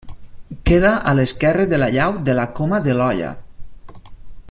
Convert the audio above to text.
Queda a l'esquerra de la llau de la Coma de l'Olla.